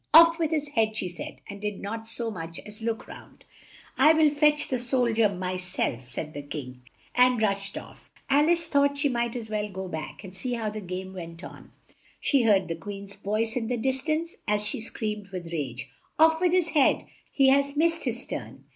"Off with his head," she said, and did not so much as look round. "I'll fetch the sol dier my self," said the King, and rushed off. Al ice thought she might as well go back, and see how the game went on. She heard the Queen's voice in the dis tance, as she screamed with rage, "Off with his head! He has missed his turn!"